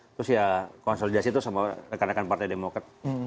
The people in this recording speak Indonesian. terus ya konsolidasi tuh sama rekan rekan partai demokrat